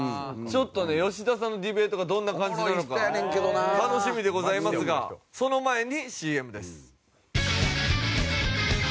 ちょっとね吉田さんのディベートがどんな感じなのか楽しみでございますがその前にＣＭです。